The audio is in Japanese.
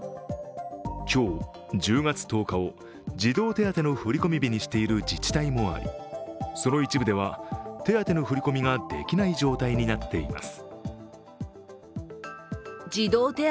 今日、１０月１０日を児童手当の振り込み日にしている自治体もあり、その一部では、手当の振込ができない状態になっています。